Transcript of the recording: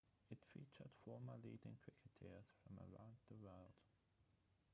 It featured former leading cricketers from around the world.